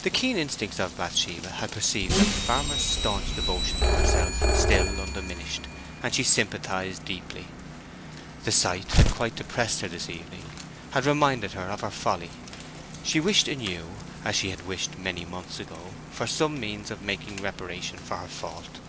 The keen instincts of Bathsheba had perceived that the farmer's staunch devotion to herself was still undiminished, and she sympathized deeply. The sight had quite depressed her this evening; had reminded her of her folly; she wished anew, as she had wished many months ago, for some means of making reparation for her fault.